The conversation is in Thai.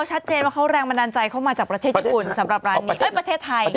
ไม่มีแต่เขาแรงบันดาลใจเขามาจากประเทศมนตร์สำหรับร้านนี้เออประเทศไทย